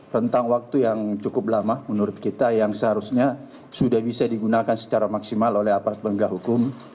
rentang waktu yang cukup lama menurut kita yang seharusnya sudah bisa digunakan secara maksimal oleh aparat penegak hukum